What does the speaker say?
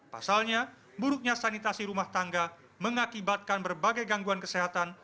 pasalnya buruknya sanitasi rumah tangga mengakibatkan berbagai gangguan kesehatan